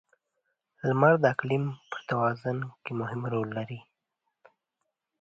• لمر د اقلیم پر توازن کې مهم رول لري.